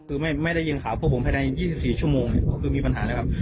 คือไม่ได้ยินข่าวพวกผมภายใน๒๔ชั่วโมงเนี่ยก็คือมีปัญหาแล้วครับ